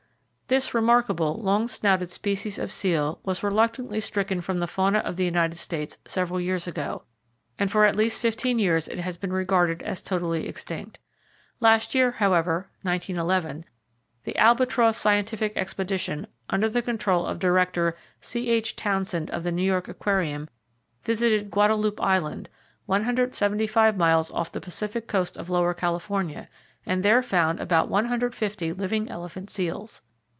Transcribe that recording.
—This remarkable long snouted species of seal was reluctantly stricken from the fauna of the United States several years ago, and for at least fifteen years it has been regarded as totally extinct. Last year, however (1911), the Albatross scientific expedition, under the control of Director C.H. Townsend of the New York Aquarium, visited Guadalupe Island, 175 miles off the Pacific coast of Lower California and there found about 150 living elephant seals.